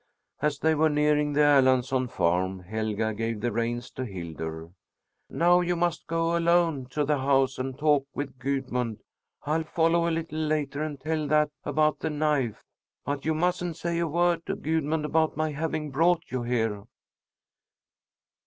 As they were nearing the Erlandsson farm, Helga gave the reins to Hildur. "Now you must go alone to the house and talk with Gudmund. I'll follow a little later and tell that about the knife. But you mustn't say a word to Gudmund about my having brought you here."